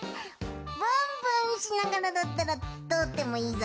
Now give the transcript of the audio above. ブンブンしながらだったらとおってもいいぞ！